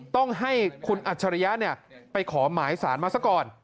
ต้องให้คุณอัจฉริยะไปขอหมายสารมาซะก่อน